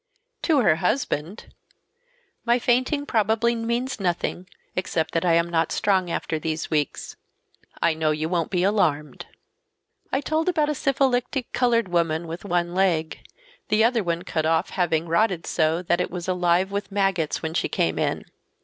To her husband:— "My fainting probably means nothing except that I am not strong after these weeks. I know you won't be alarmed. "I told about a syphilitic colored woman with one leg. The other one cut off, having rotted so that it was alive with maggots when she came in.